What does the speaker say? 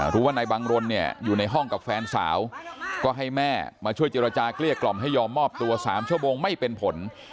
รู้ว่านายบังรนเนี่ยอยู่ในห้องกับแฟนสาวก็ให้แม่มาช่วยเจรจาเกลี้ยกล่อมให้ยอมมอบตัว๓ชั่วโมงไม่เป็นผล